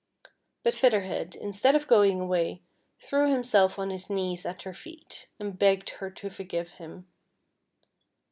But Feather Head, instead of going away, threw him self on his knees at her feet, and begged her to forgive him.